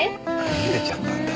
ゆでちゃったんだ。